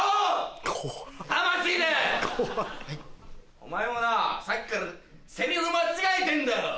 お前もなさっきからセリフ間違えてんだよ。